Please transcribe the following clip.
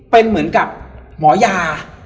เป็นเหมือนกับหมอยา